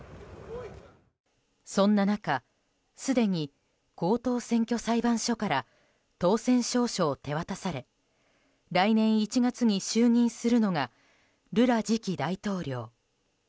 そんな中すでに高等選挙裁判所から当選証書を手渡され来年１月に就任するのがルラ次期大統領。